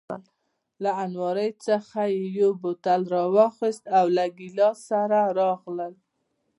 له المارۍ څخه یې یو بوتل راواخیست او له ګیلاس سره راغلل.